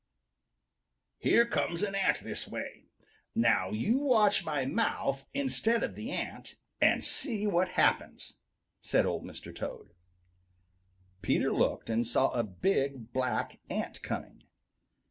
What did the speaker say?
"Here comes an ant this way. Now you watch my mouth instead of the ant and see what happens," said Old Mr. Toad. Peter looked and saw a big black ant coming.